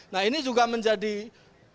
nah ini juga mengusung